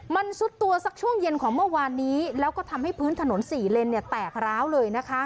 มันซุดตัวสักช่วงเย็นของเมื่อวานนี้แล้วก็ทำให้พื้นถนน๔เลนแตกร้าวเลยนะคะ